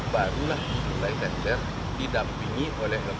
barulah saya tender didampingi oleh lkpk